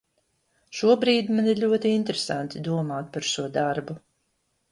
Šobrīd man ir ļoti interesanti domāt par šo darbu.